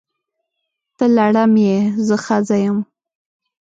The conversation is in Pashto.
ته لړم یې! زه ښځه یم.